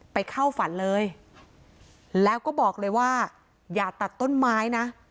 ไปเข้าฝันเลยแล้วก็บอกเลยว่าอย่าตัดต้นไม้นะ